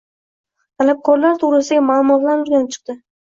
talabgorlar to‘g‘risidagi ma’lumotlarni o‘rganib chiqildi.